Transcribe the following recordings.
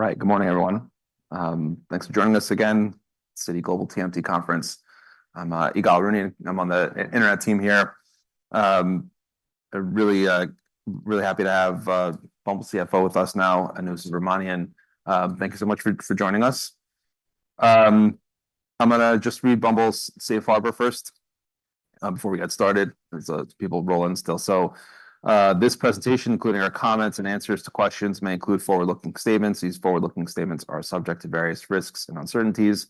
All right. Good morning, everyone. Thanks for joining us again, Citigroup Global TMT Conference. I'm Ygal Arounian, I'm on the internet team here. I'm really, really happy to have Bumble's Chief Financial Officer with us now, Anu Subramanian. Thank you so much for, for joining us. I'm gonna just read Bumble's safe harbor first, before we get started. There's, people rolling in still. So, this presentation, including our comments and answers to questions, may include forward-looking statements. These forward-looking statements are subject to various risks and uncertainties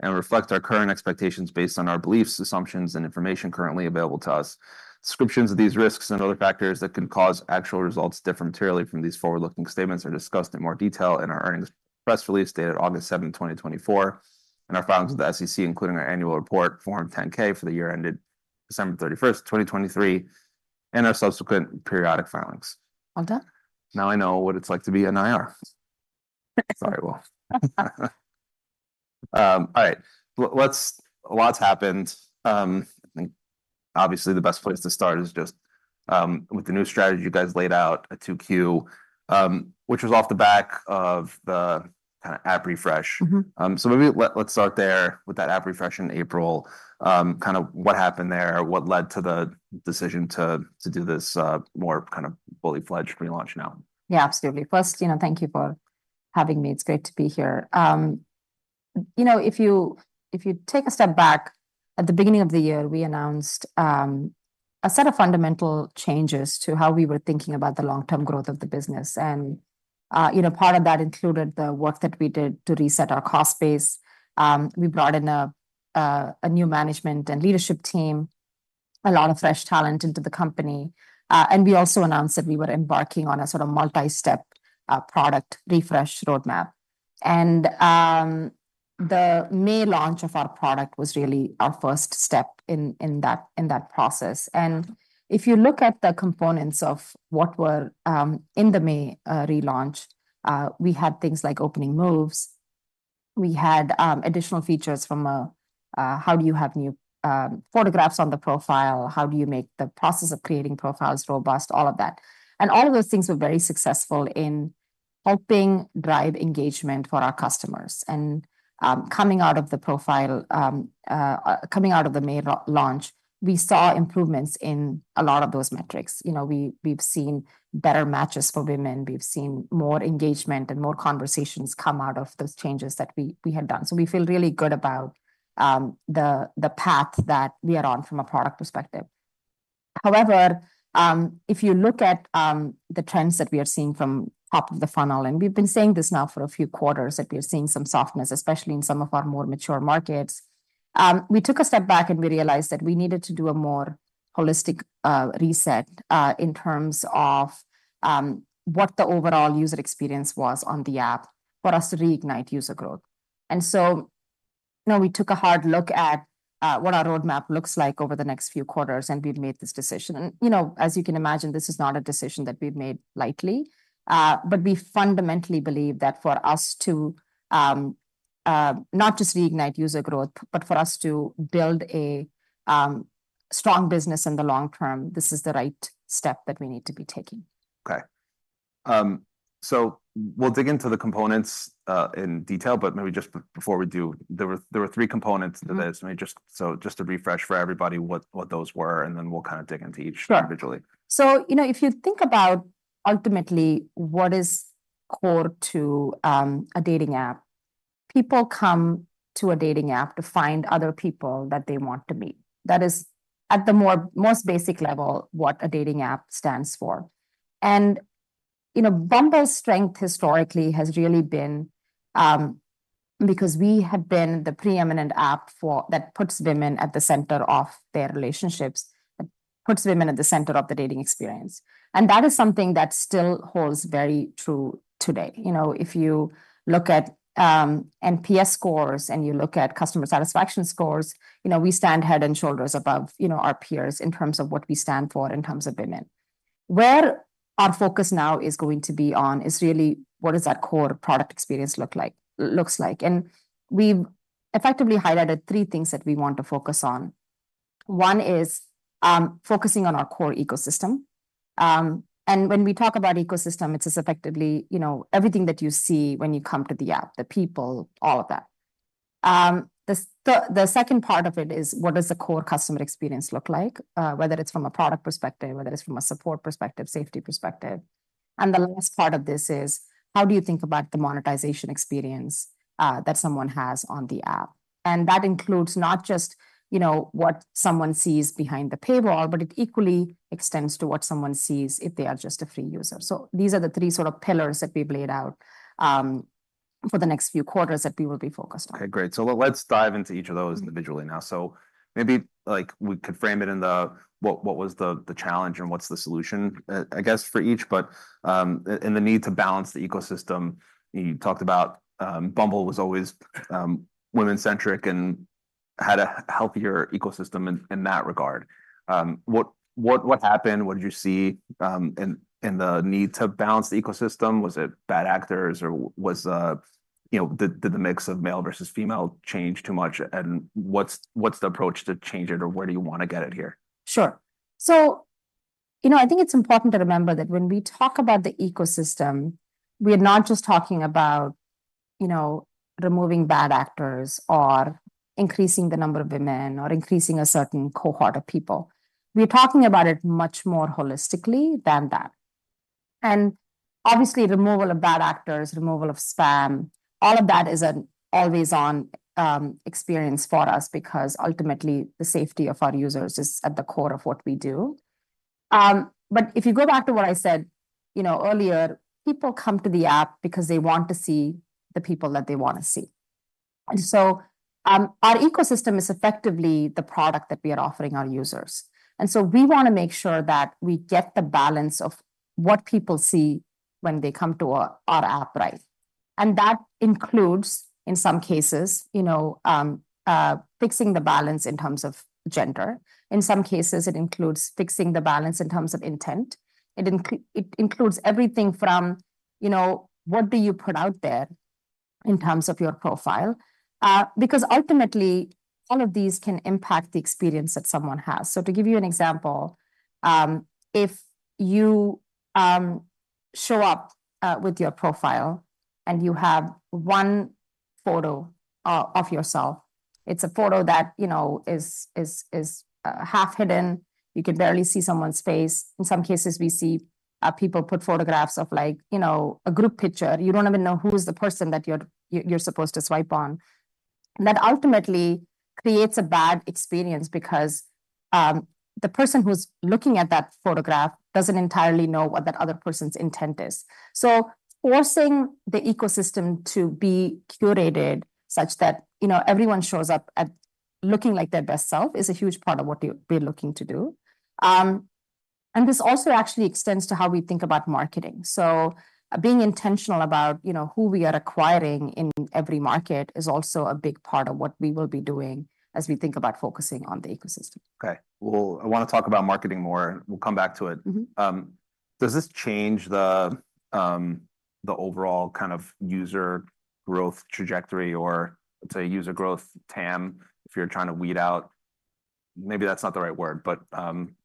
and reflect our current expectations based on our beliefs, assumptions, and information currently available to us. Descriptions of these risks and other factors that could cause actual results to differ materially from these forward-looking statements are discussed in more detail in our earnings press release dated August 7th, 2024, and our filings with the SEC, including our annual report, Form 10-K, for the year ended December 31st, 2023, and our subsequent periodic filings. All done? Now I know what it's like to be an IR. Sorry, well. All right, well, a lot's happened. I think obviously the best place to start is just with the new strategy you guys laid out at 2Q, which was off the back of the kind of app refresh. Mm-hmm. So maybe let's start there with that app refresh in April. Kind of what happened there? What led to the decision to do this more kind of fully-fledged relaunch now? Yeah, absolutely. First, you know, thank you for having me. It's great to be here. You know, if you take a step back, at the beginning of the year, we announced a set of fundamental changes to how we were thinking about the long-term growth of the business, and you know, part of that included the work that we did to reset our cost base. We brought in a new management and leadership team, a lot of fresh talent into the company, and we also announced that we were embarking on a sort of multi-step product refresh roadmap. The May launch of our product was really our first step in that process, and if you look at the components of what were in the May relaunch, we had things like Opening Moves. We had additional features from. How do you have new photographs on the profile? How do you make the process of creating profiles robust? All of that and all of those things were very successful in helping drive engagement for our customers, and coming out of the May launch, we saw improvements in a lot of those metrics. You know, we've seen better matches for women, we've seen more engagement and more conversations come out of those changes that we had done. So we feel really good about the path that we are on from a product perspective. However, if you look at the trends that we are seeing from top of the funnel, and we've been saying this now for a few quarters, that we are seeing some softness, especially in some of our more mature markets. We took a step back, and we realized that we needed to do a more holistic reset in terms of what the overall user experience was on the app for us to reignite user growth. And so, you know, we took a hard look at what our roadmap looks like over the next few quarters, and we've made this decision. And, you know, as you can imagine, this is not a decision that we've made lightly. But we fundamentally believe that for us to not just reignite user growth, but for us to build a strong business in the long term, this is the right step that we need to be taking. Okay. So we'll dig into the components in detail, but maybe just before we do, there were three components to this- Mm-hmm. So just to refresh for everybody what those were, and then we'll kind of dig into each individually. Sure. So, you know, if you think about ultimately what is core to a dating app, people come to a dating app to find other people that they want to meet. That is, at the most basic level, what a dating app stands for. And, you know, Bumble's strength historically has really been because we have been the pre-eminent app for that puts women at the center of their relationships, it puts women at the center of the dating experience. And that is something that still holds very true today. You know, if you look at NPS scores, and you look at customer satisfaction scores, you know, we stand head and shoulders above, you know, our peers in terms of what we stand for in terms of women. Where our focus now is going to be on is really what does that core product experience look like, looks like? And we've effectively highlighted three things that we want to focus on. One is, focusing on our core ecosystem. And when we talk about ecosystem, it is effectively, you know, everything that you see when you come to the app, the people, all of that. The second part of it is, what does the core customer experience look like? Whether it's from a product perspective, whether it's from a support perspective, safety perspective. And the last part of this is, how do you think about the monetization experience, that someone has on the app? And that includes not just, you know, what someone sees behind the paywall, but it equally extends to what someone sees if they are just a free user. So these are the three sort of pillars that we've laid out, for the next few quarters that we will be focused on. Okay, great, so let's dive into each of those. Mm-hmm... individually now. So maybe, like, we could frame it in the, what was the challenge and what's the solution, I guess for each, but, and the need to balance the ecosystem. You talked about, Bumble was always, women-centric and had a healthier ecosystem in that regard. What happened? What did you see, in the need to balance the ecosystem? Was it bad actors, or was, You know, did the mix of male versus female change too much? And what's the approach to change it, or where do you wanna get it here? Sure. So, you know, I think it's important to remember that when we talk about the ecosystem, we are not just talking about, you know, removing bad actors, or increasing the number of women, or increasing a certain cohort of people. We're talking about it much more holistically than that. And obviously, removal of bad actors, removal of spam, all of that is an always-on experience for us because ultimately the safety of our users is at the core of what we do. But if you go back to what I said, you know, earlier, people come to the app because they want to see the people that they wanna see. And so, our ecosystem is effectively the product that we are offering our users, and so we wanna make sure that we get the balance of what people see when they come to our app right. And that includes, in some cases, you know, fixing the balance in terms of gender. In some cases, it includes fixing the balance in terms of intent. It includes everything from, you know, what do you put out there in terms of your profile? Because ultimately all of these can impact the experience that someone has. So to give you an example, if you show up with your profile and you have one photo of yourself, it's a photo that, you know, is half hidden. You can barely see someone's face. In some cases, we see people put photographs of like, you know, a group picture. You don't even know who's the person that you're supposed to swipe on. That ultimately creates a bad experience because the person who's looking at that photograph doesn't entirely know what that other person's intent is. So forcing the ecosystem to be curated such that, you know, everyone shows up at looking like their best self is a huge part of what we're looking to do. And this also actually extends to how we think about marketing. So being intentional about, you know, who we are acquiring in every market is also a big part of what we will be doing as we think about focusing on the ecosystem. Okay. Well, I wanna talk about marketing more. We'll come back to it. Mm-hmm. Does this change the overall kind of user growth trajectory, or let's say user growth TAM, if you're trying to weed out... Maybe that's not the right word, but,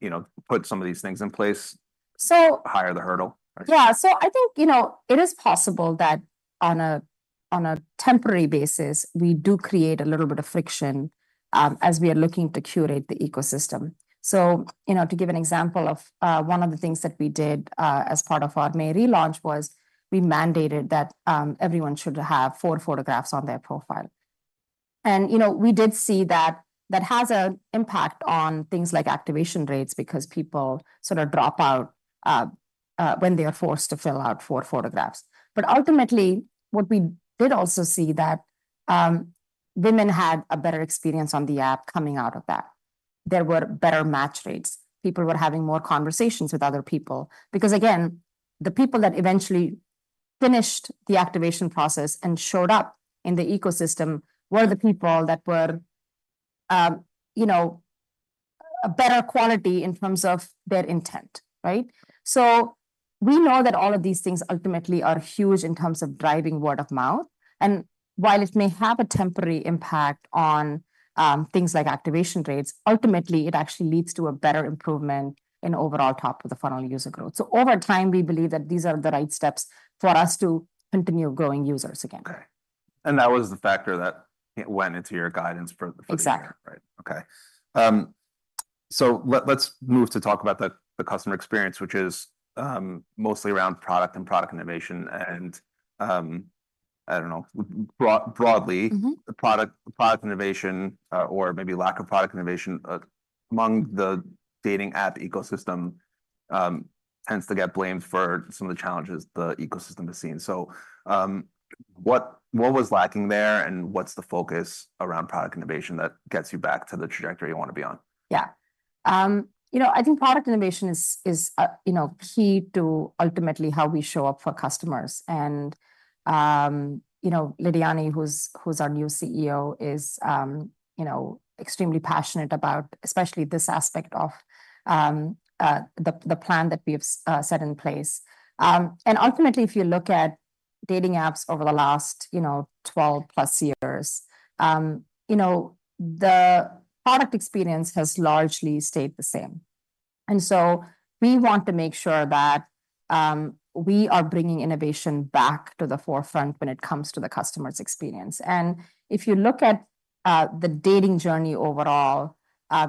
you know, put some of these things in place? So- Higher the hurdle, I should say? Yeah, so I think, you know, it is possible that on a temporary basis, we do create a little bit of friction as we are looking to curate the ecosystem. So, you know, to give an example of one of the things that we did as part of our May relaunch was we mandated that everyone should have four photographs on their profile, and you know, we did see that that has an impact on things like activation rates because people sort of drop out when they are forced to fill out four photographs, but ultimately, what we did also see that women had a better experience on the app coming out of that. There were better match rates. People were having more conversations with other people. Because, again, the people that eventually finished the activation process and showed up in the ecosystem were the people that were, you know, a better quality in terms of their intent, right? So we know that all of these things ultimately are huge in terms of driving word of mouth, and while it may have a temporary impact on, things like activation rates, ultimately it actually leads to a better improvement in overall top of the funnel user growth. So over time, we believe that these are the right steps for us to continue growing users again. Okay, and that was the factor that went into your guidance for the future- Exactly. Right. Okay. So let's move to talk about the customer experience, which is mostly around product and product innovation, and I don't know, broadly. Mm-hmm... product, product innovation, or maybe lack of product innovation, among the dating app ecosystem, what was lacking there, and what's the focus around product innovation that gets you back to the trajectory you want to be on? Yeah. You know, I think product innovation is you know, key to ultimately how we show up for customers. And you know, Lidiane, who's our new Chief Executive Officer, is you know, extremely passionate about, especially this aspect of the plan that we have set in place. And ultimately, if you look at dating apps over the last 12+ years, you know, the product experience has largely stayed the same. And so we want to make sure that we are bringing innovation back to the forefront when it comes to the customer's experience. And if you look at the dating journey overall,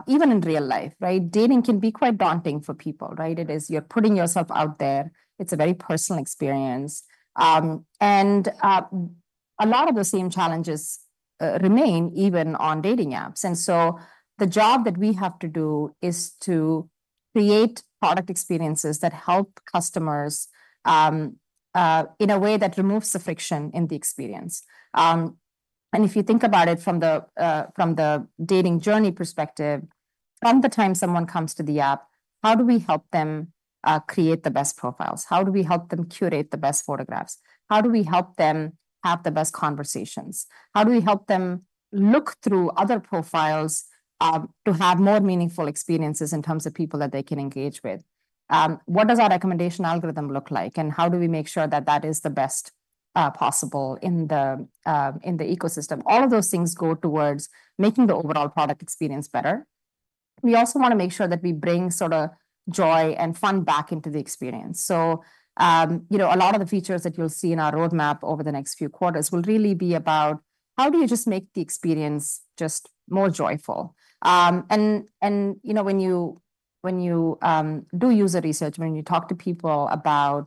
even in real life, right? Dating can be quite daunting for people, right? It is, you're putting yourself out there. It's a very personal experience. A lot of the same challenges remain even on dating apps. So the job that we have to do is to create product experiences that help customers in a way that removes the friction in the experience. If you think about it from the dating journey perspective, from the time someone comes to the app, how do we help them create the best profiles? How do we help them curate the best photographs? How do we help them have the best conversations? How do we help them look through other profiles to have more meaningful experiences in terms of people that they can engage with? What does our recommendation algorithm look like, and how do we make sure that that is the best possible in the ecosystem. All of those things go towards making the overall product experience better. We also wanna make sure that we bring sorta joy and fun back into the experience. So, you know, a lot of the features that you'll see in our roadmap over the next few quarters will really be about how do you just make the experience just more joyful? And, you know, when you do user research, when you talk to people about,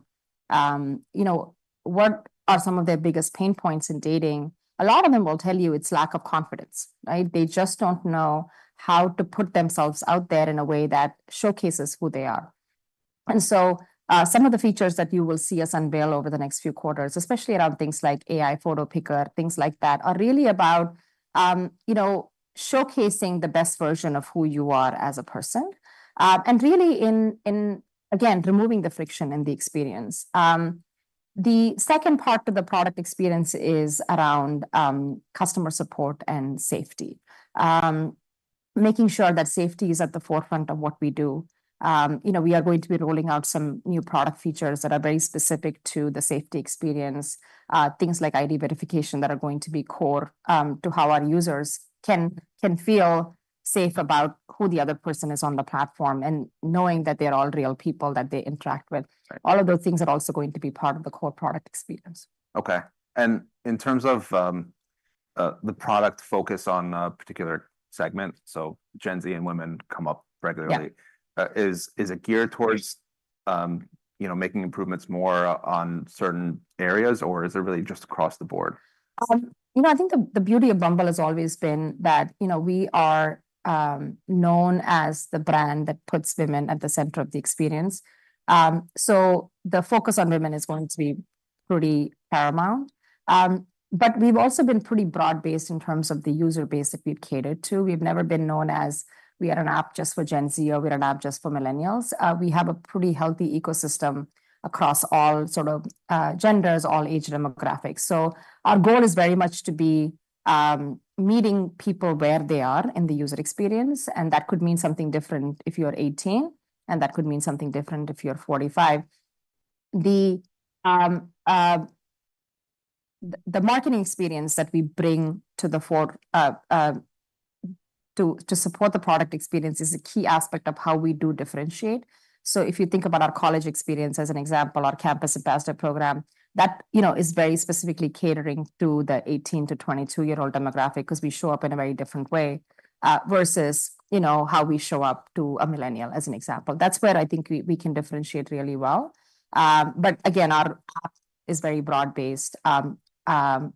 you know, what are some of their biggest pain points in dating, a lot of them will tell you it's lack of confidence, right? They just don't know how to put themselves out there in a way that showcases who they are. And so some of the features that you will see us unveil over the next few quarters, especially around things like AI photo picker, things like that, are really about, you know, showcasing the best version of who you are as a person and really in again removing the friction in the experience. The second part to the product experience is around customer support and safety. Making sure that safety is at the forefront of what we do. You know, we are going to be rolling out some new product features that are very specific to the safety experience, things like ID verification, that are going to be core to how our users can feel safe about who the other person is on the platform, and knowing that they're all real people that they interact with. Right. All of those things are also going to be part of the core product experience. Okay. And in terms of the product focus on a particular segment, so Gen Z and women come up regularly- Yeah. Is it geared towards, you know, making improvements more on certain areas or is it really just across the board? You know, I think the beauty of Bumble has always been that, you know, we are known as the brand that puts women at the center of the experience, so the focus on women is going to be pretty paramount. But we've also been pretty broad-based in terms of the user base that we've catered to. We've never been known as we are an app just for Gen Z or we're an app just for millennials. We have a pretty healthy ecosystem across all sort of genders, all age demographics, so our goal is very much to be meeting people where they are in the user experience, and that could mean something different if you are eighteen, and that could mean something different if you're forty-five. The marketing experience that we bring to the fore... To support the product experience is a key aspect of how we do differentiate. So if you think about our college experience as an example, our campus ambassador program, that, you know, is very specifically catering to the 18- to 22-year-old demographic, 'cause we show up in a very different way, versus, you know, how we show up to a millennial, as an example. That's where I think we can differentiate really well. But again, our app is very broad-based.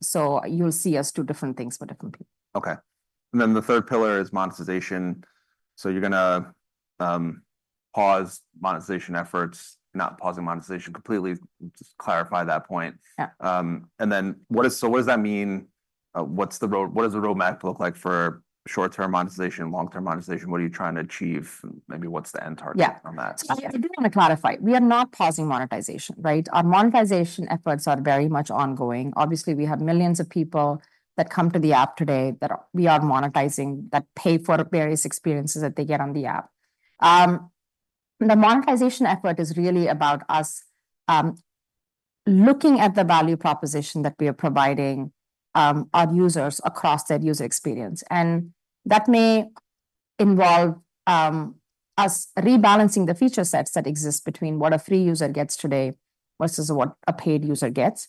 So you'll see us do different things for different people. Okay. And then the third pillar is monetization. So you're gonna pause monetization efforts, not pausing monetization completely. Just clarify that point. Yeah. And then what does... so what does that mean? What's the roadmap look like for short-term monetization, long-term monetization? What are you trying to achieve? Maybe what's the end target- Yeah -on that? I did wanna clarify, we are not pausing monetization, right? Our monetization efforts are very much ongoing. Obviously, we have millions of people that come to the app today, that we are monetizing, that pay for various experiences that they get on the app. The monetization effort is really about us looking at the value proposition that we are providing our users across their user experience, and that may involve us rebalancing the feature sets that exist between what a free user gets today versus what a paid user gets.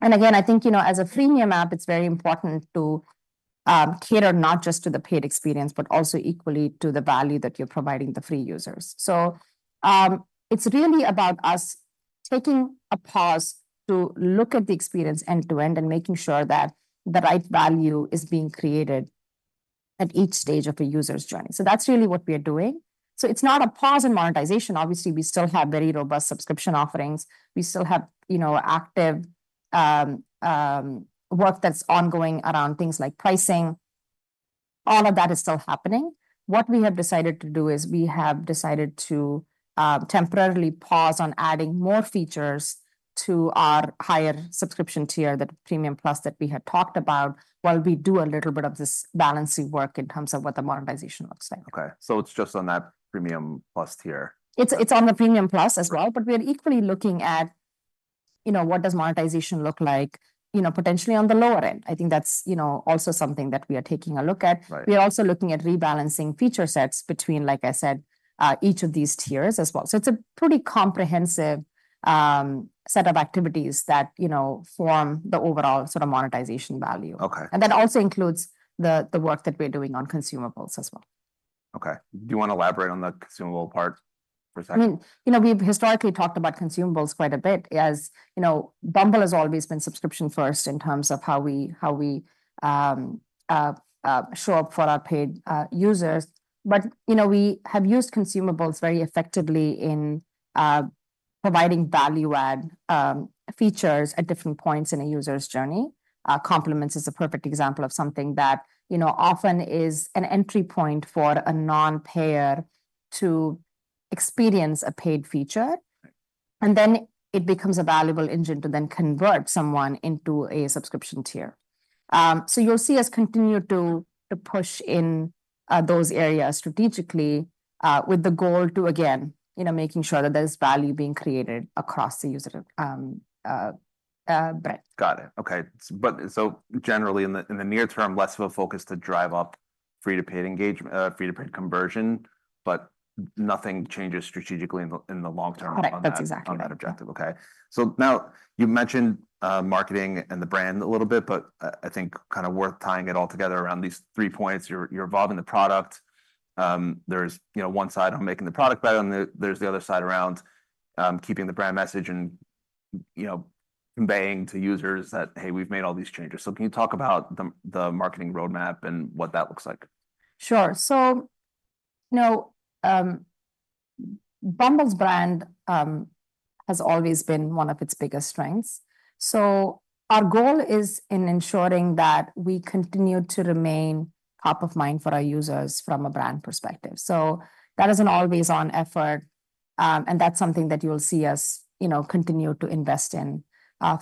And again, I think, you know, as a freemium app, it's very important to cater not just to the paid experience, but also equally to the value that you're providing the free users. So, it's really about us taking a pause to look at the experience end-to-end and making sure that the right value is being created at each stage of a user's journey. So that's really what we are doing. So it's not a pause in monetization. Obviously, we still have very robust subscription offerings. We still have, you know, active work that's ongoing around things like pricing. All of that is still happening. What we have decided to do is temporarily pause on adding more features to our higher subscription tier, the Premium Plus that we had talked about, while we do a little bit of this balancing work in terms of what the monetization looks like. Okay, so it's just on that Premium Plus tier? It's on the Premium Plus as well- Yeah... but we are equally looking at, you know, what does monetization look like, you know, potentially on the lower end. I think that's, you know, also something that we are taking a look at. Right. We are also looking at rebalancing feature sets between, like I said, each of these tiers as well. So it's a pretty comprehensive set of activities that, you know, form the overall sort of monetization value. Okay. And that also includes the work that we're doing on consumables as well. Okay. Do you wanna elaborate on the consumable part for a second? I mean, you know, we've historically talked about consumables quite a bit. As you know, Bumble has always been subscription first in terms of how we show up for our paid users. But, you know, we have used consumables very effectively in providing value add features at different points in a user's journey. Compliments is a perfect example of something that, you know, often is an entry point for a non-payer to experience a paid feature- Right... and then it becomes a valuable engine to then convert someone into a subscription tier. So you'll see us continue to push in those areas strategically, with the goal to, again, you know, making sure that there's value being created across the user, brand. Got it. Okay. But so generally in the near term, less of a focus to drive up free-to-paid engagement, free-to-paid conversion, but nothing changes strategically in the long term- Got it. That's exactly right.... on that, on that objective. Okay. So now you've mentioned marketing and the brand a little bit, but I think kind of worth tying it all together around these three points. You're evolving the product. There's, you know, one side on making the product better, and there's the other side around keeping the brand message and, you know, conveying to users that, "Hey, we've made all these changes." So can you talk about the marketing roadmap and what that looks like? Sure. So, you know, Bumble's brand has always been one of its biggest strengths. So our goal is in ensuring that we continue to remain top of mind for our users from a brand perspective. So that is an always-on effort, and that's something that you'll see us, you know, continue to invest in.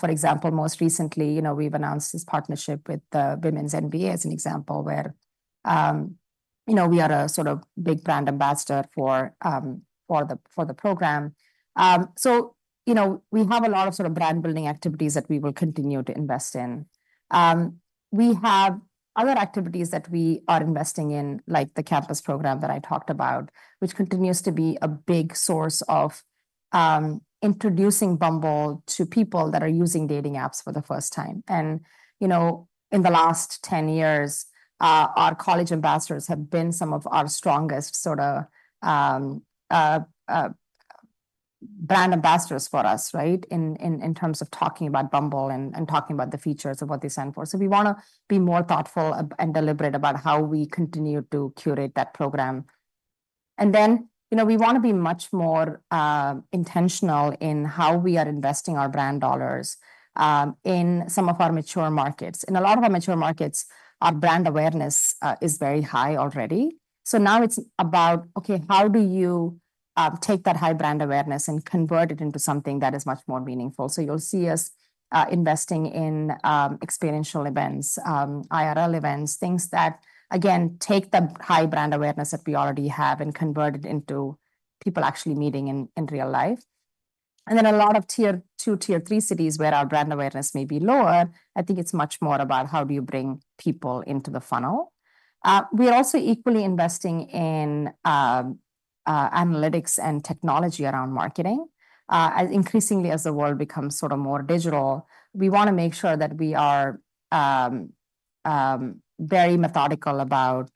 For example, most recently, you know, we've announced this partnership with the Women's NBA as an example, where, you know, we are a sort of big brand ambassador for the program. So, you know, we have a lot of sort of brand-building activities that we will continue to invest in. We have other activities that we are investing in, like the campus program that I talked about, which continues to be a big source of introducing Bumble to people that are using dating apps for the first time, and you know, in the last 10 years, our college ambassadors have been some of our strongest sort of brand ambassadors for us, right? In terms of talking about Bumble and talking about the features of what they stand for, so we wanna be more thoughtful and deliberate about how we continue to curate that program, and then you know, we wanna be much more intentional in how we are investing our brand dollars in some of our mature markets. In a lot of our mature markets, our brand awareness is very high already. So now it's about, okay, how do you take that high brand awareness and convert it into something that is much more meaningful? So you'll see us investing in experiential events, IRL events, things that, again, take the high brand awareness that we already have and convert it into people actually meeting in real life. And then a lot of Tier Two, Tier Three cities where our brand awareness may be lower, I think it's much more about how do you bring people into the funnel? We are also equally investing in analytics and technology around marketing. As increasingly as the world becomes sort of more digital, we wanna make sure that we are very methodical about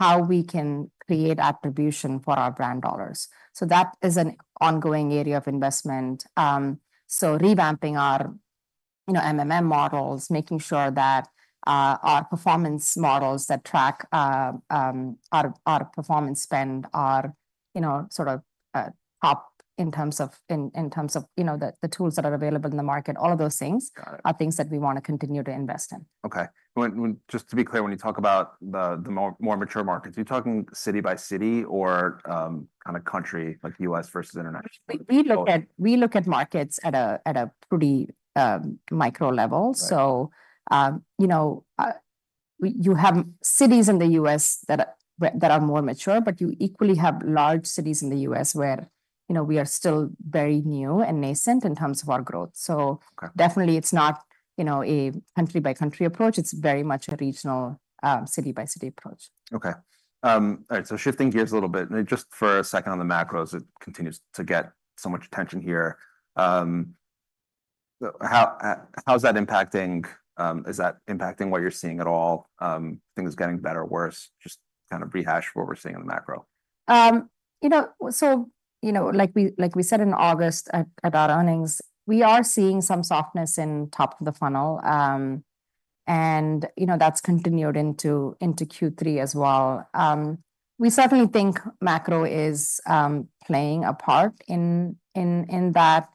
how we can create attribution for our brand dollars. So that is an ongoing area of investment. So revamping our, you know, MMM models, making sure that our performance models that track our performance spend are, you know, sort of up in terms of, you know, the tools that are available in the market. All of those things- Got it. are things that we wanna continue to invest in. Okay. Just to be clear, when you talk about the more mature markets, are you talking city by city or kind of country, like U.S. versus international? We look at- Oh. We look at markets at a pretty micro level. Right. You know, you have cities in the U.S. that are more mature, but you equally have large cities in the U.S. where, you know, we are still very new and nascent in terms of our growth. Okay. Definitely it's not, you know, a country-by-country approach. It's very much a regional, city-by-city approach. Okay. All right, so shifting gears a little bit, and just for a second on the macros, it continues to get so much attention here. So how is that impacting... Is that impacting what you're seeing at all? Things getting better or worse? Just kind of rehash what we're seeing in the macro. You know, so, you know, like we said in August at our earnings, we are seeing some softness in top of the funnel, and you know, that's continued into Q3 as well. We certainly think macro is playing a part in that,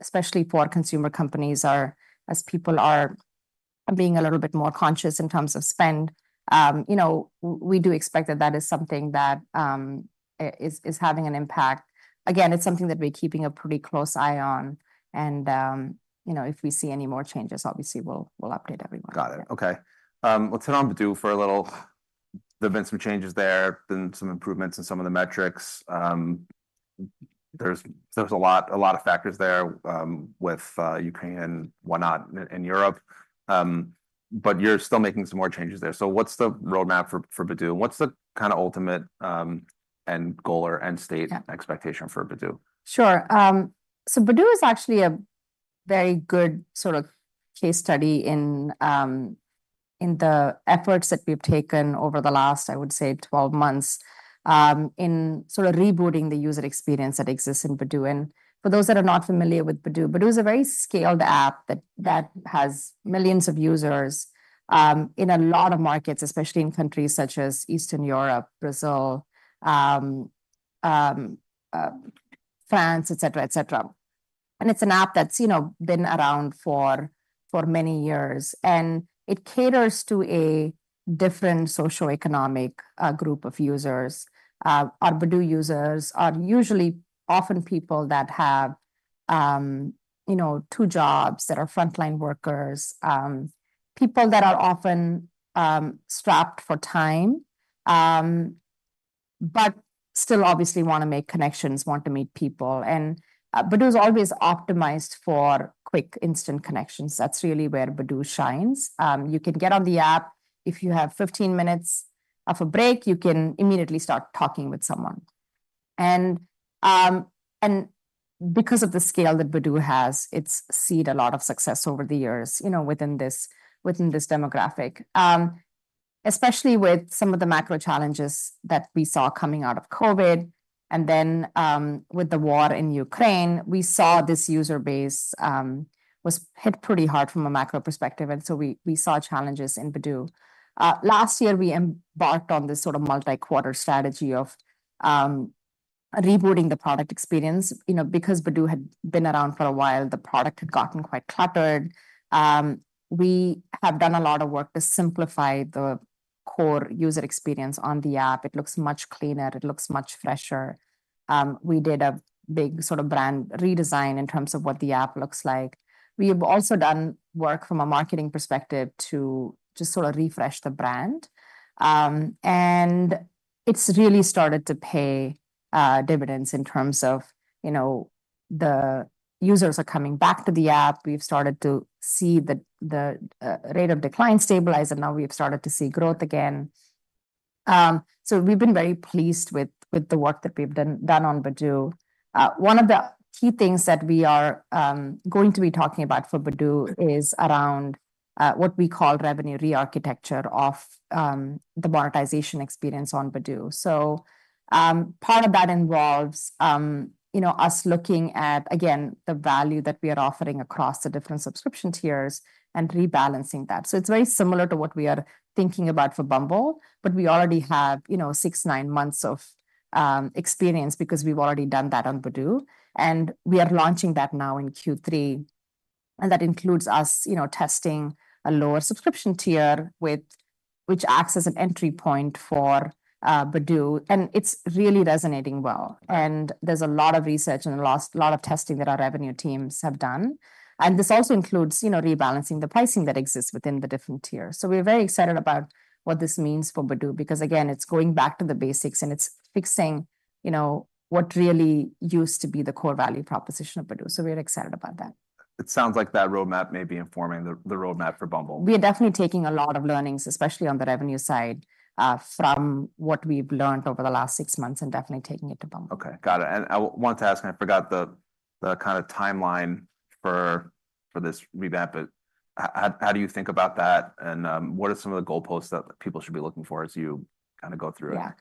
especially for consumer companies, or as people are being a little bit more conscious in terms of spend. You know, we do expect that that is something that is having an impact. Again, it's something that we're keeping a pretty close eye on, and you know, if we see any more changes, obviously we'll update everyone. Got it. Yeah. Okay. Let's head on to Badoo for a little... There've been some changes there, been some improvements in some of the metrics. There's a lot of factors there, with Ukraine and whatnot in Europe. But you're still making some more changes there. So what's the roadmap for Badoo? What's the kind of ultimate end goal or end state- Yeah... expectation for Badoo? Sure, so Badoo is actually a very good sort of case study in the efforts that we've taken over the last, I would say, twelve months, in sort of rebooting the user experience that exists in Badoo, and for those that are not familiar with Badoo, Badoo is a very scaled app that has millions of users in a lot of markets, especially in countries such as Eastern Europe, Brazil, France, et cetera, et cetera. It's an app that's, you know, been around for many years, and it caters to a different socioeconomic group of users. Our Badoo users are usually often people that have two jobs, that are frontline workers. People that are often strapped for time, but still obviously wanna make connections, want to meet people. Badoo's always optimized for quick, instant connections. That's really where Badoo shines. You can get on the app. If you have fifteen minutes of a break, you can immediately start talking with someone. Because of the scale that Badoo has, it's seen a lot of success over the years, you know, within this demographic. Especially with some of the macro challenges that we saw coming out of COVID, and then, with the war in Ukraine, we saw this user base was hit pretty hard from a macro perspective, and so we saw challenges in Badoo. Last year, we embarked on this sort of multi-quarter strategy of rebooting the product experience. You know, because Badoo had been around for a while, the product had gotten quite cluttered. We have done a lot of work to simplify the core user experience on the app. It looks much cleaner. It looks much fresher. We did a big sort of brand redesign in terms of what the app looks like. We have also done work from a marketing perspective to just sort of refresh the brand, and it's really started to pay dividends in terms of, you know, the users are coming back to the app. We've started to see the rate of decline stabilize, and now we've started to see growth again, so we've been very pleased with the work that we've done on Badoo. One of the key things that we are going to be talking about for Badoo is around what we call revenue rearchitecture of the monetization experience on Badoo. Part of that involves, you know, us looking at, again, the value that we are offering across the different subscription tiers and rebalancing that. It's very similar to what we are thinking about for Bumble, but we already have, you know, six, nine months of experience because we've already done that on Badoo, and we are launching that now in Q3, and that includes us, you know, testing a lower subscription tier which acts as an entry point for Badoo, and it's really resonating well. There's a lot of research and a lot of testing that our revenue teams have done, and this also includes, you know, rebalancing the pricing that exists within the different tiers. So we're very excited about what this means for Badoo because, again, it's going back to the basics, and it's fixing, you know, what really used to be the core value proposition of Badoo, so we're excited about that. It sounds like that roadmap may be informing the roadmap for Bumble. We are definitely taking a lot of learnings, especially on the revenue side, from what we've learned over the last six months, and definitely taking it to Bumble. Okay, got it. And I wanted to ask, and I forgot the kind of timeline for this revamp, but how do you think about that, and what are some of the goalposts that people should be looking for as you kinda go through it?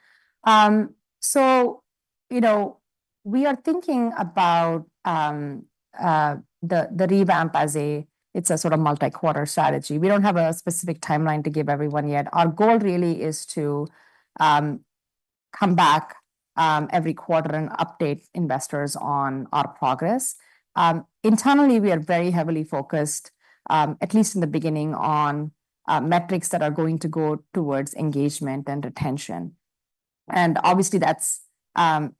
Yeah. So, you know, we are thinking about the revamp as a, it's a sort of multi-quarter strategy. We don't have a specific timeline to give everyone yet. Our goal really is to come back every quarter and update investors on our progress. Internally, we are very heavily focused, at least in the beginning, on metrics that are going to go towards engagement and retention. And obviously, that's.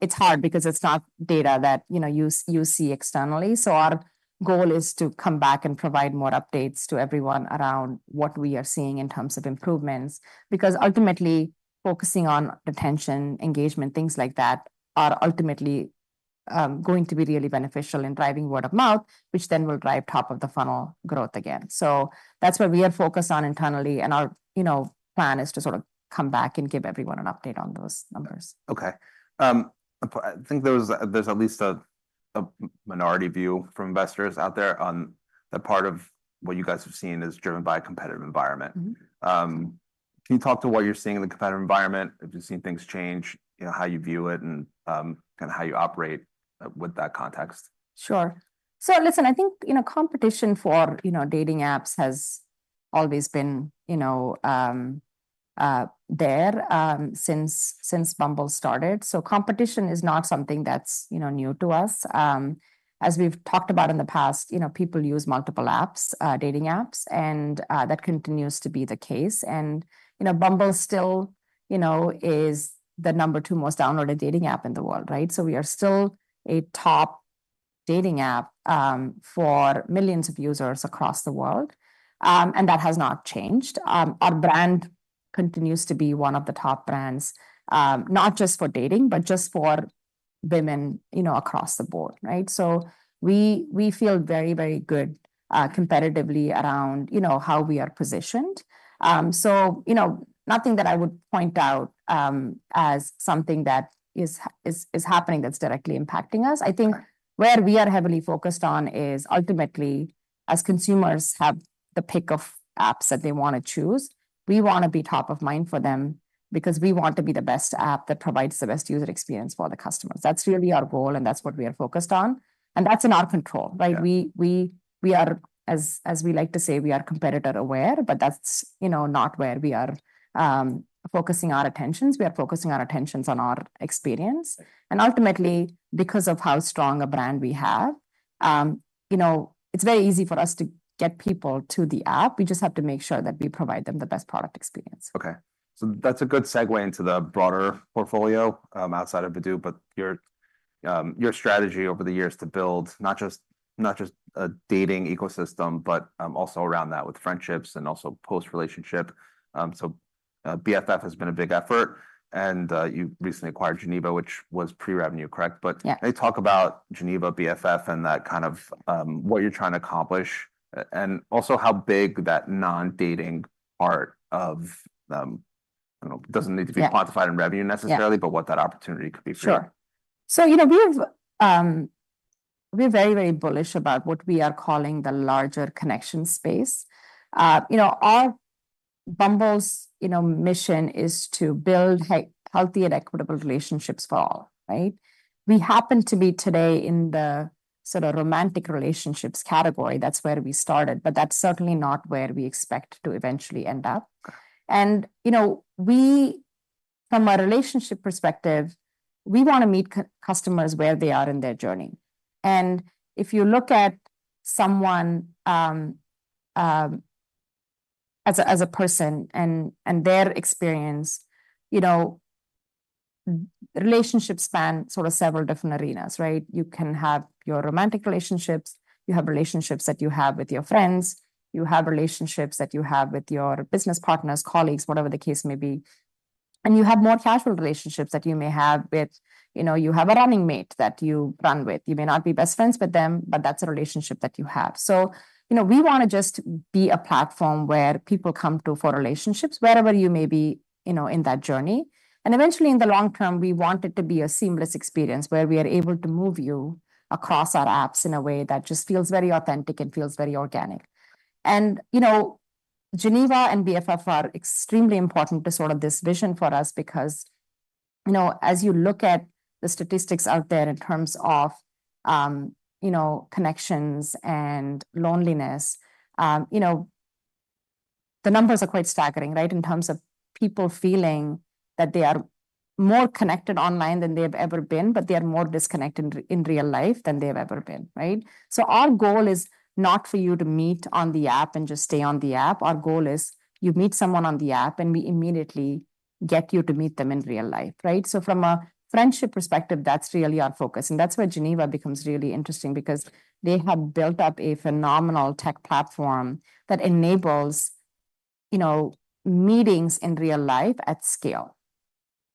It's hard because it's not data that, you know, you see externally. So our goal is to come back and provide more updates to everyone around what we are seeing in terms of improvements. Because ultimately, focusing on retention, engagement, things like that, are ultimately going to be really beneficial in driving word of mouth, which then will drive top-of-the-funnel growth again. So that's what we are focused on internally, and our, you know, plan is to sort of come back and give everyone an update on those numbers. Okay. I think there was, there's at least a minority view from investors out there on the part of what you guys have seen is driven by a competitive environment. Mm-hmm. Can you talk to what you're seeing in the competitive environment? Have you seen things change, you know, how you view it, and kinda how you operate with that context? Sure. So listen, I think, you know, competition for, you know, dating apps has always been, you know, since Bumble started, so competition is not something that's, you know, new to us. As we've talked about in the past, you know, people use multiple apps, dating apps, and that continues to be the case, and you know, Bumble still, you know, is the number two most downloaded dating app in the world, right, so we are still a top dating app, for millions of users across the world, and that has not changed. Our brand continues to be one of the top brands, not just for dating, but just for women, you know, across the board, right, so we feel very, very good, competitively around, you know, how we are positioned. So, you know, nothing that I would point out as something that is happening that's directly impacting us. I think where we are heavily focused on is ultimately, as consumers have the pick of apps that they wanna choose, we wanna be top of mind for them because we want to be the best app that provides the best user experience for the customers. That's really our goal, and that's what we are focused on, and that's in our control, right? Yeah. We are, as we like to say, we are competitor-aware, but that's, you know, not where we are focusing our attentions. We are focusing our attentions on our experience. Right. Ultimately, because of how strong a brand we have, you know, it's very easy for us to get people to the app. We just have to make sure that we provide them the best product experience. Okay. So that's a good segue into the broader portfolio outside of Badoo. But your strategy over the years to build not just a dating ecosystem, but also around that with friendships and also post-relationship. So BFF has been a big effort, and you recently acquired Geneva, which was pre-revenue, correct? Yeah. But may talk about Geneva, BFF, and that kind of, what you're trying to accomplish, and also how big that non-dating part of, I don't know- Yeah... doesn't need to be quantified in revenue necessarily- Yeah but what that opportunity could be for you. Sure, so, you know, we have, we're very, very bullish about what we are calling the larger connection space. You know, our Bumble's mission is to build healthy and equitable relationships for all, right? We happen to be today in the sort of romantic relationships category. That's where we started, but that's certainly not where we expect to eventually end up. Right. You know, we, from a relationship perspective, we wanna meet customers where they are in their journey. If you look at someone as a person and their experience, you know, relationships span sort of several different arenas, right? You can have your romantic relationships, you have relationships that you have with your friends, you have relationships that you have with your business partners, colleagues, whatever the case may be. You have more casual relationships that you may have with, you know, you have a running mate that you run with. You may not be best friends with them, but that's a relationship that you have. So, you know, we wanna just be a platform where people come to for relationships wherever you may be, you know, in that journey. And eventually, in the long term, we want it to be a seamless experience, where we are able to move you across our apps in a way that just feels very authentic and feels very organic. And, you know, Geneva and BFF are extremely important to sort of this vision for us because, you know, as you look at the statistics out there in terms of, you know, connections and loneliness, you know, the numbers are quite staggering, right? In terms of people feeling that they are more connected online than they've ever been, but they are more disconnected in real life than they've ever been, right? So our goal is not for you to meet on the app and just stay on the app. Our goal is, you meet someone on the app, and we immediately get you to meet them in real life, right? So from a friendship perspective, that's really our focus, and that's where Geneva becomes really interesting because they had built up a phenomenal tech platform that enables, you know, meetings in real life at scale,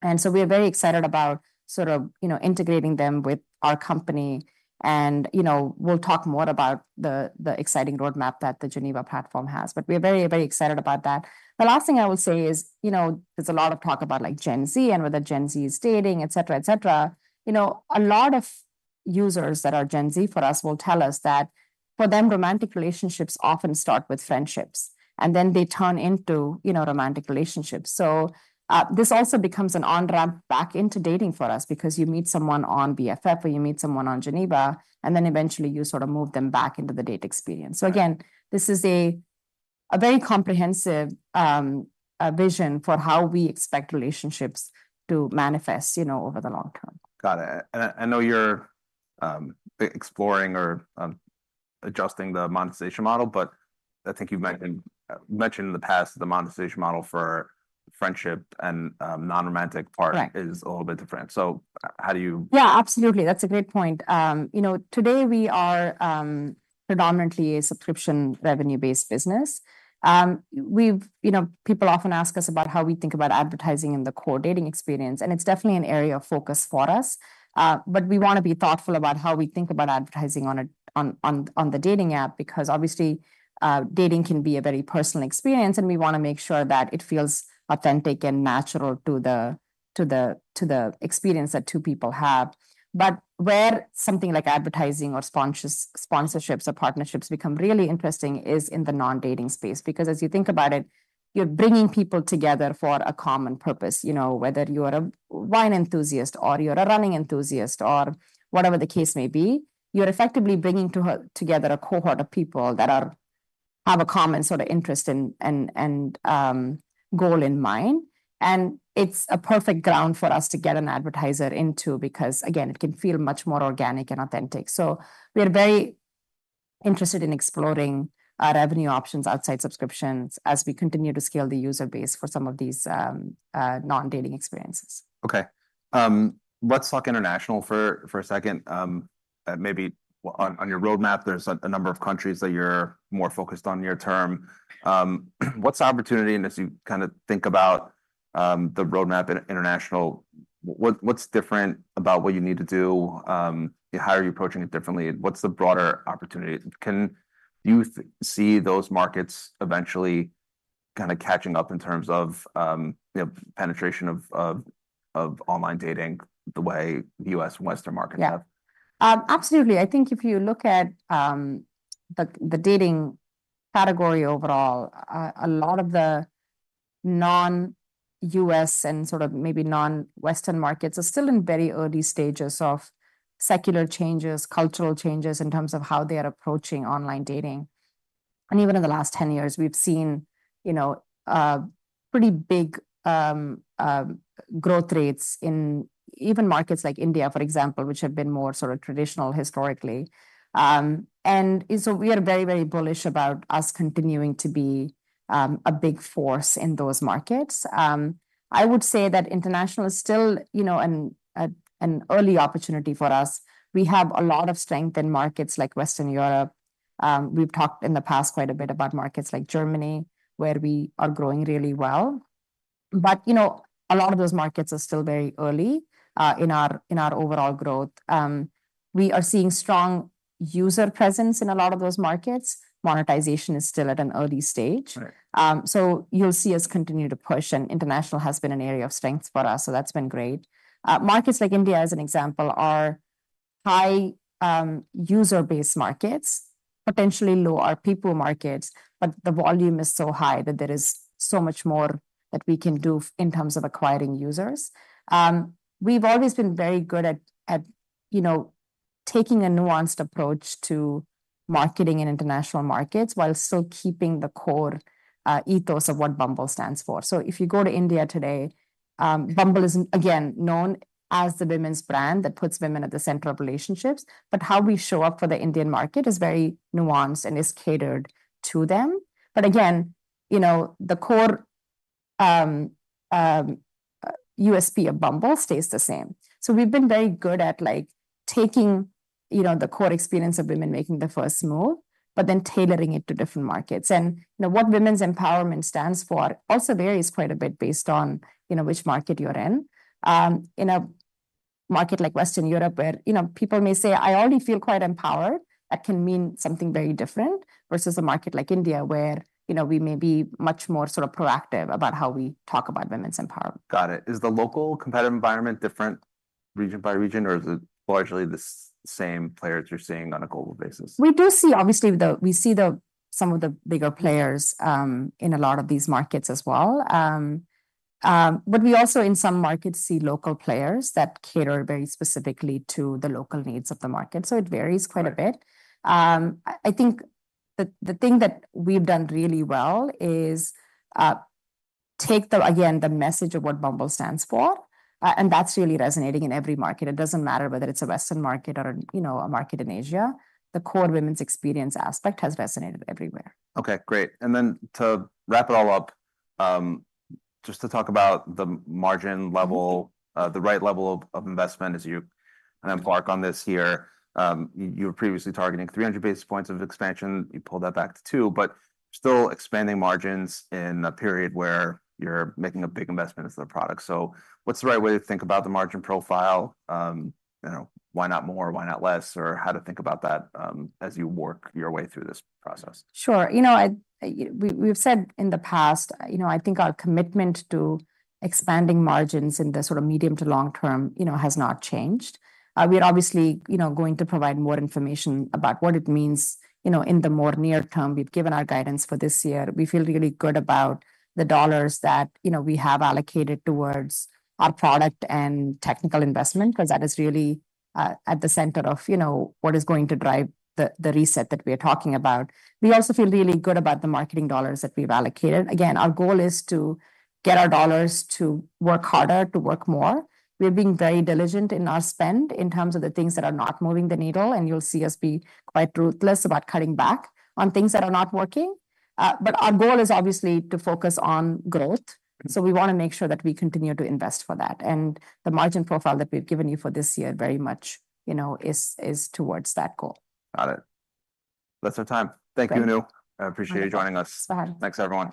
and so we are very excited about sort of, you know, integrating them with our company, and, you know, we'll talk more about the exciting roadmap that the Geneva platform has, but we're very, very excited about that. The last thing I will say is, you know, there's a lot of talk about like Gen Z and whether Gen Z is dating, et cetera, et cetera. You know, a lot of users that are Gen Z for us will tell us that for them, romantic relationships often start with friendships, and then they turn into, you know, romantic relationships. This also becomes an on-ramp back into dating for us because you meet someone on BFF, or you meet someone on Geneva, and then eventually you sort of move them back into the date experience. Yeah. Again, this is a very comprehensive vision for how we expect relationships to manifest, you know, over the long term. Got it. And I know you're exploring or adjusting the monetization model, but I think you've mentioned in the past the monetization model for friendship and non-romantic part- Right... is a little bit different. So how do you- Yeah, absolutely. That's a great point. You know, today we are predominantly a subscription revenue-based business. You know, people often ask us about how we think about advertising in the core dating experience, and it's definitely an area of focus for us. But we wanna be thoughtful about how we think about advertising on the dating app, because obviously dating can be a very personal experience, and we wanna make sure that it feels authentic and natural to the experience that two people have. But where something like advertising or sponsorships or partnerships become really interesting is in the non-dating space. Because as you think about it, you're bringing people together for a common purpose, you know, whether you're a wine enthusiast or you're a running enthusiast or whatever the case may be, you're effectively bringing together a cohort of people that have a common sort of interest and goal in mind. And it's a perfect ground for us to get an advertiser into because, again, it can feel much more organic and authentic. So we are very interested in exploring our revenue options outside subscriptions as we continue to scale the user base for some of these non-dating experiences. Okay. Let's talk international for a second. Maybe on your roadmap, there's a number of countries that you're more focused on near-term. What's the opportunity? And as you kinda think about the roadmap in international, what's different about what you need to do? How are you approaching it differently, and what's the broader opportunity? Can you see those markets eventually kinda catching up in terms of, you know, penetration of online dating the way the U.S. and Western markets have? Yeah. Absolutely. I think if you look at the dating category overall, a lot of the non-US and sort of maybe non-Western markets are still in very early stages of secular changes, cultural changes in terms of how they are approaching online dating. Even in the last ten years, we've seen, you know, pretty big growth rates in even markets like India, for example, which have been more sort of traditional historically, and so we are very, very bullish about us continuing to be a big force in those markets. I would say that international is still, you know, an early opportunity for us. We have a lot of strength in markets like Western Europe. We've talked in the past quite a bit about markets like Germany, where we are growing really well. But, you know, a lot of those markets are still very early in our overall growth. We are seeing strong user presence in a lot of those markets. Monetization is still at an early stage. Right. So you'll see us continue to push, and international has been an area of strength for us, so that's been great. Markets like India, as an example, are high user-based markets, potentially lower people markets, but the volume is so high that there is so much more that we can do in terms of acquiring users. We've always been very good at you know taking a nuanced approach to marketing in international markets, while still keeping the core ethos of what Bumble stands for. So if you go to India today, Bumble is, again, known as the women's brand that puts women at the center of relationships, but how we show up for the Indian market is very nuanced and is catered to them. But again, you know, the core USP of Bumble stays the same. So we've been very good at, like, taking, you know, the core experience of women making the first move, but then tailoring it to different markets. And, you know, what women's empowerment stands for also varies quite a bit based on, you know, which market you're in. In a market like Western Europe, where, you know, people may say, "I already feel quite empowered," that can mean something very different, versus a market like India, where, you know, we may be much more sort of proactive about how we talk about women's empowerment. Got it. Is the local competitive environment different region by region, or is it largely the same players you're seeing on a global basis? We do see, obviously, some of the bigger players in a lot of these markets as well. But we also in some markets see local players that cater very specifically to the local needs of the market, so it varies quite a bit. Right. I think the thing that we've done really well is take, again, the message of what Bumble stands for, and that's really resonating in every market. It doesn't matter whether it's a Western market or, you know, a market in Asia, the core women's experience aspect has resonated everywhere. Okay, great, and then to wrap it all up, just to talk about the margin level- Mm-hmm. The right level of investment as you kind of embark on this year. You were previously targeting 300 basis points of expansion. You pulled that back to 200, but still expanding margins in a period where you're making a big investment into the product. So what's the right way to think about the margin profile? You know, why not more, why not less, or how to think about that, as you work your way through this process? Sure. You know, we, we've said in the past, you know, I think our commitment to expanding margins in the sort of medium to long term, you know, has not changed. We're obviously, you know, going to provide more information about what it means, you know, in the more near term. We've given our guidance for this year. We feel really good about the dollars that, you know, we have allocated towards our product and technical investment, 'cause that is really at the center of, you know, what is going to drive the reset that we are talking about. We also feel really good about the marketing dollars that we've allocated. Again, our goal is to get our dollars to work harder, to work more. We're being very diligent in our spend, in terms of the things that are not moving the needle, and you'll see us be quite ruthless about cutting back on things that are not working, but our goal is obviously to focus on growth- Mm... so we wanna make sure that we continue to invest for that. And the margin profile that we've given you for this year very much, you know, is towards that goal. Got it. That's our time. Great. Thank you, Anu. Okay. I appreciate you joining us. Thanks. Thanks, everyone.